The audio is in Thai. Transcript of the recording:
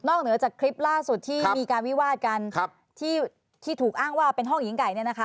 เหนือจากคลิปล่าสุดที่มีการวิวาดกันที่ถูกอ้างว่าเป็นห้องหญิงไก่เนี่ยนะคะ